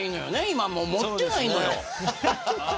今もう持ってないのよ。